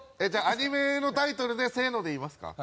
アニメのタイトルでせーので言いますか。